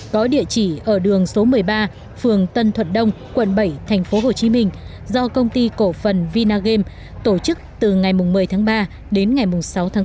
có địa chỉ ở đường số một mươi ba phường tân thuận đông quận bảy thành phố hồ chí minh do công ty cổ phần vinagame tổ chức từ ngày một mươi tháng ba đến ngày sáu tháng bốn